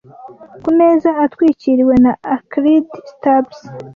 Ku meza atwikiriwe na acrid stubs